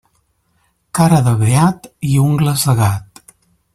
Cara de beat i ungles de gat.